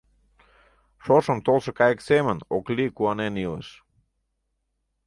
Шошым толшо кайык семын Оклий куанен илыш.